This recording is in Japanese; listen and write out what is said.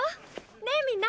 ねっみんな。